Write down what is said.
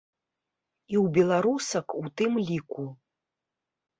І ў беларусак ў тым ліку.